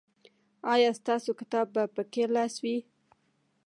ایا ستاسو کتاب به په ښي لاس وي؟